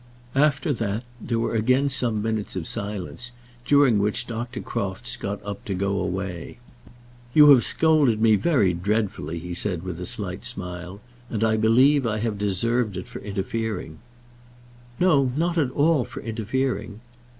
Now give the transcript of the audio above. After that, there were again some minutes of silence during which Dr. Crofts got up to go away. "You have scolded me very dreadfully," he said, with a slight smile, "and I believe I have deserved it for interfering " "No; not at all for interfering."